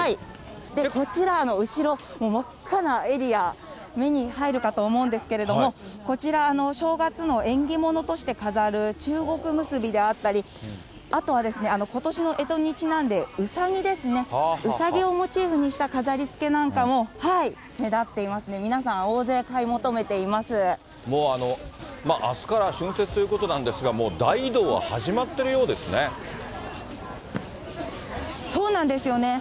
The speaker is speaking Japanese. こちら、後ろ、真っ赤なエリア、目に入るかと思うんですけれども、こちら、正月の縁起物として飾る中国結びであったり、あとは、ことしのえとにちなんで、うさぎですね、うさぎをモチーフにした飾りつけなんかも目立っていますね、もう、あすから春節ということなんですが、もう大移動は始まっているよそうなんですよね。